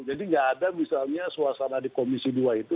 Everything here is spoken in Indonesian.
jadi nggak ada misalnya suasana di komisi dua itu